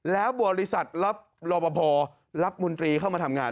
แล้วบริษัทรับรอบพอรับมนตรีเข้ามาทำงาน